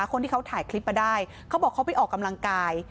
คนที่เขาถ่ายคลิปมาได้เขาบอกเขาไปออกกำลังกาย